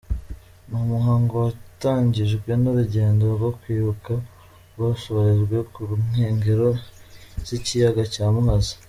Ni umuhango watangijwe n’urugendo rwo kwibuka rwasorejwe ku nkengero z’Ikiyaga cya Muhazi.